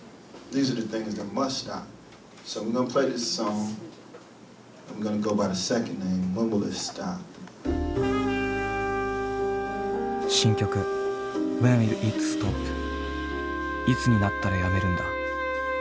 いつになったらやめるんだ？